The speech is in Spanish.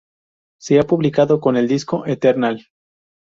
Se ha publicado con el disco "Eternal".